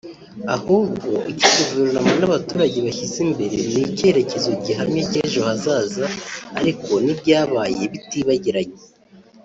ahubwo icyo guverinoma n’abaturage bashyize imbere ni icyerekezo gihamye cy’ejo hazaza ariko n’ibyabaye bitibagiranye